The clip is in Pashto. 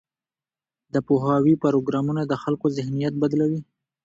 د پوهاوي پروګرامونه د خلکو ذهنیت بدلوي.